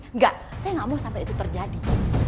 enggak saya nggak mau sampai itu terjadi